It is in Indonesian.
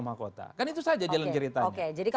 makota kan itu saja jalan ceritanya oke